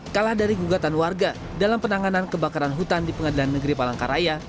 kalah dari gugatan warga dalam penanganan kebakaran hutan di pengadilan negeri palangkaraya